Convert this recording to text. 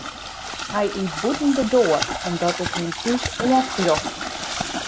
Hy yt bûten de doar omdat it him thús oanfljocht.